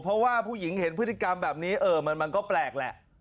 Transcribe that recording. เพราะว่าผู้หญิงเห็นพฤติกรรมแบบนี้มันก็แปลกแหละ